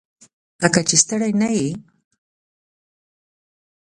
لکه چې ستړی نه یې؟